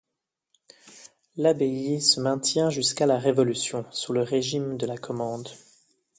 L'abbaye se maintient jusqu’à la Révolution sous le régime de la commende.